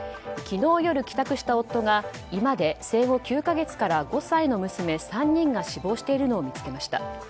昨日夜、帰宅した夫が居間で生後９か月から５歳の娘３人が死亡しているのを見つけました。